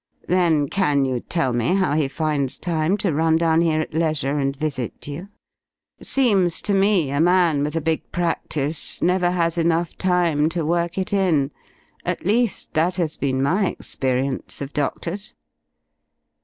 Then can you tell me how he finds time to run down here at leisure and visit you? Seems to me a man with a big practice never has enough time to work it in. At least, that has been my experience of doctors."